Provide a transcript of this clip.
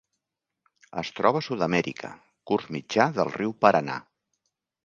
Es troba a Sud-amèrica: curs mitjà del riu Paranà.